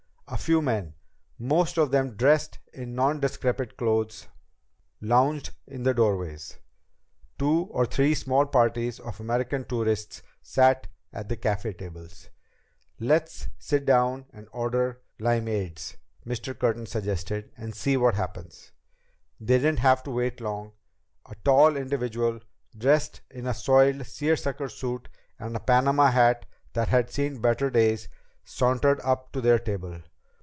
A few men, most of them dressed in nondescript clothes, lounged in the doorways. Two or three small parties of American tourists sat at the café tables. "Let's sit down and order limeades," Mr. Curtin suggested, "and see what happens." They didn't have to wait long. A tall individual, dressed in a soiled seersucker suit and a Panama hat that had seen better days, sauntered up to their table.